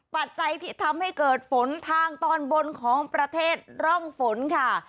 ปัจจัยที่ทำให้เกิดฝนทางตอนบนของประเทศร่องฝนค่ะ